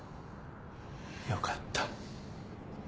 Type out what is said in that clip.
よかった。